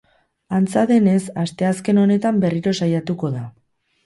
Antza denez, asteazken honetan berriro saiatuko da.